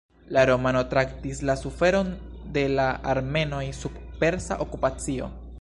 La romano traktis la suferon de la armenoj sub persa okupacio.